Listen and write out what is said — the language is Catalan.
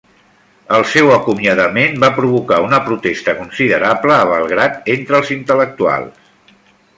El seu acomiadament va provocar una protesta considerable a Belgrad entre els intel·lectuals.